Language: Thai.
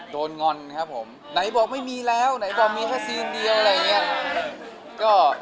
งอนครับผมไหนบอกไม่มีแล้วไหนบอกมีแค่ซีนเดียวอะไรอย่างนี้